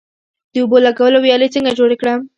د اوبو لګولو ویالې څنګه جوړې کړم؟